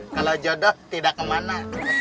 kalau jodoh tidak kemana